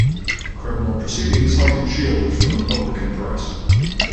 Criminal proceedings have been shielded from the public and press.